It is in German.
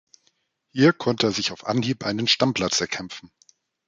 Hier konnte er sich auf Anhieb einen Stammplatz erkämpfen.